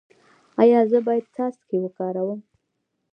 ایا زه باید څاڅکي وکاروم؟